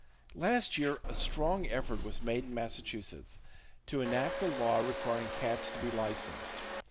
Last year, a strong effort was made in Massachusetts to enact a law requiring cats to be licensed.